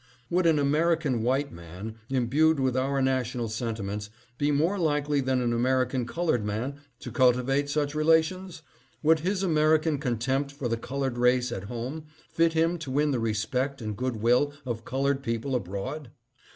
Would an American white man, imbued with our national sentiments, be more likely than an American colored man to cultivate such rela tions ? Would his American contempt for the colored race at home fit him to win the respect and good will of colored people abroad